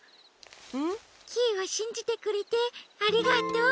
んっ？キイをしんじてくれてありがとう。